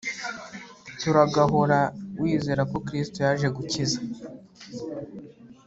turagahora wizera ko kristo yaje gukiza